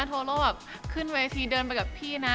โทโล่แบบขึ้นเวทีเดินไปกับพี่นะ